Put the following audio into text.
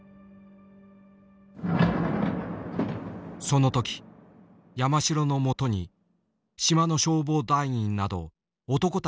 その時山城のもとに島の消防団員など男たちが現れた。